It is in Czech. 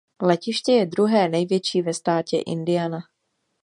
Letiště je druhé největší ve státě Indiana.